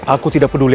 aku tidak peduli